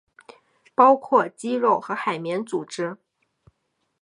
包括肌肉和海绵组织。